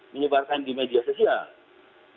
menyebarkan di media sosial